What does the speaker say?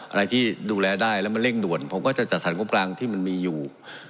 อะไรที่ดูแลได้แล้วมันเร่งด่วนผมก็จะจัดสรรงบกลางที่มันมีอยู่